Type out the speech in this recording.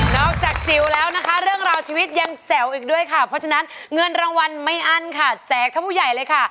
จากจิ๋วแล้วนะคะเรื่องราวชีวิตยังแจ๋วอีกด้วยค่ะเพราะฉะนั้นเงินรางวัลไม่อั้นค่ะแจกทั้งผู้ใหญ่เลยค่ะ